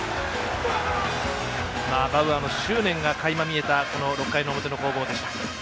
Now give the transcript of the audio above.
バウアーの執念がかいま見えた６回の表の攻防でした。